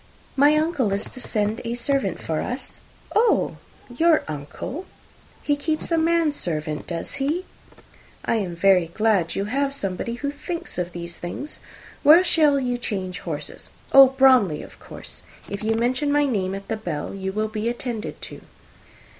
"My uncle is to send a servant for us." "Oh! Your uncle! He keeps a man servant, does he? I am very glad you have somebody who thinks of those things. Where shall you change horses? Oh, Bromley, of course. If you mention my name at the Bell, you will be attended to."